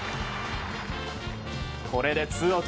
これでツーアウト。